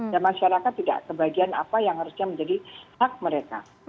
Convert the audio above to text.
dan masyarakat tidak kebahagiaan apa yang harusnya menjadi hak mereka